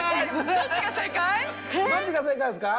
どっちが正解ですか？